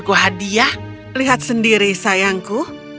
aku hadiah lihat sendiri sayangku